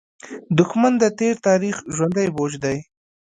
دښمن د تېر تاریخ ژوندى بوج دی